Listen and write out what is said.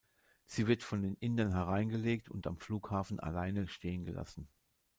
Sie wird von den Indern hereingelegt und am Flughafen alleine stehen gelassen.